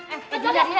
eh dina dina